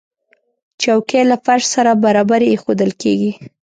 چوکۍ له فرش سره برابرې ایښودل کېږي.